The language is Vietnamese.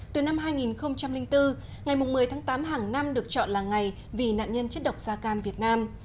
từ năm hai nghìn bốn ngày một mươi tháng tám hàng năm được chọn là ngày vì nạn nhân chất độc da cam việt nam